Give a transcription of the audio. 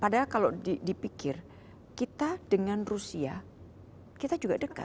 padahal kalau dipikir kita dengan rusia kita juga dekat